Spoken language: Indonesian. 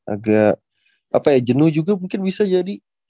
agak jenuh juga mungkin bisa jadi